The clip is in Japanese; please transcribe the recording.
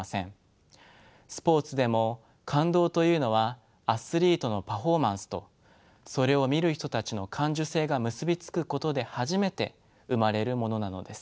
スポーツでも「感動」というのはアスリートのパフォーマンスとそれを見る人たちの感受性が結び付くことで初めて生まれるものなのです。